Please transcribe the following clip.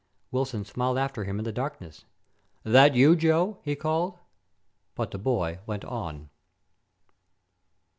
Wilson smiled after him in the darkness. "That you, Joe?" he called. But the boy went on.